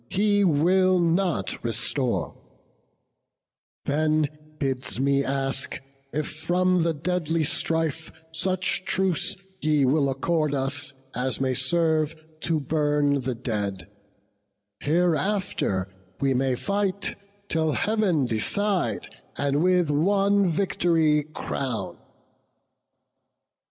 he will not restore: Then bids me ask, if from the deadly strife Such truce ye will accord us as may serve To burn the dead: hereafter we may fight Till Heav'n decide, and one with vict'ry crown."